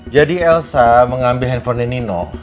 jadi elsa mengambil handphone nino